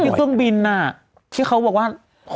ที่เครื่องบินน่ะที่เขาบอกว่า